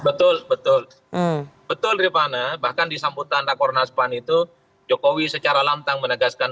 betul betul betul dipana bahkan disambut tanda kornas pan itu jokowi secara lantang menegaskan